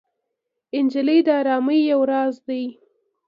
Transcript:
نجلۍ د ارامۍ یو راز دی.